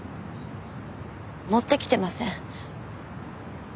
持ってきてません。